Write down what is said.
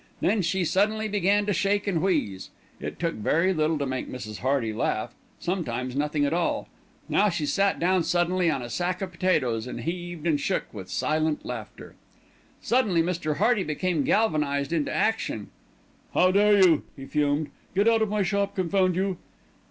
Then she suddenly began to shake and wheeze. It took very little to make Mrs. Hearty laugh, sometimes nothing at all. Now she sat down suddenly on a sack of potatoes and heaved and shook with silent laughter. Suddenly Mr. Hearty became galvanised into action. "How how dare you!" he fumed. "Get out of my shop, confound you!"